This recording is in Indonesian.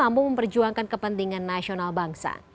mampu memperjuangkan kepentingan nasional bangsa